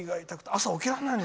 朝、起きられないの。